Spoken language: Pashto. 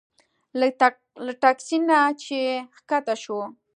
له تکسي نه چې ښکته شوو.